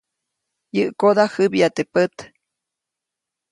Yäʼkoda jäbya teʼ pät.